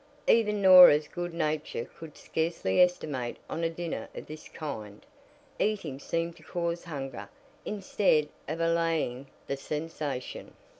Even Norah's good nature could scarcely estimate on a dinner of this kind. Eating seemed to cause hunger, instead of allaying the sensation.